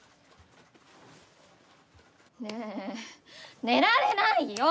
ねえ、寝られないよ！